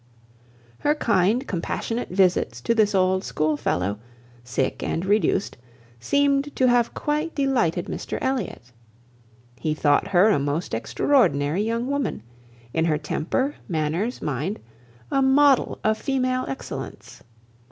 Her kind, compassionate visits to this old schoolfellow, sick and reduced, seemed to have quite delighted Mr Elliot. He thought her a most extraordinary young woman; in her temper, manners, mind, a model of female excellence.